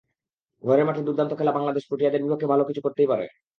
ঘরের মাঠে দুর্দান্ত খেলা বাংলাদেশ প্রোটিয়াদের বিপক্ষে ভালো কিছু করতেই পারে।